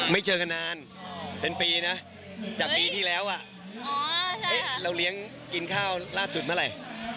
เจอกันนานเป็นปีนะจากปีที่แล้วเราเลี้ยงกินข้าวล่าสุดเมื่อไหร่